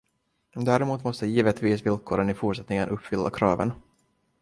Däremot måste givetvis villkoren i fortsättningen uppfylla kraven.